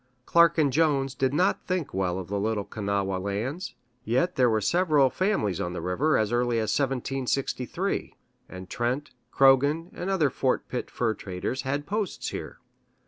Clark and Jones did not think well of Little Kanawha lands, yet there were several families on the river as early as 1763, and Trent, Croghan, and other Fort Pitt fur traders had posts here.